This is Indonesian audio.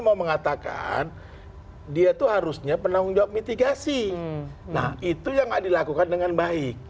mau mengatakan dia tuh harusnya penanggung jawab mitigasi nah itu yang dilakukan dengan baik